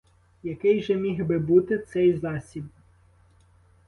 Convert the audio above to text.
Який же міг би бути цей засіб?